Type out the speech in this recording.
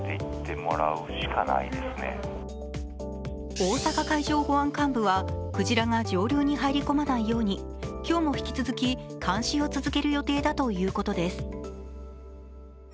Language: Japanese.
大阪海上保安監部はクジラが上流に入り込まないように今日も引き続き、監視を続ける予定だということです。